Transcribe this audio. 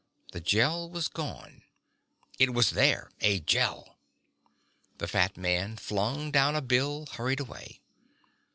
The Gel was gone. "It was there: a Gel." The fat man flung down a bill, hurried away.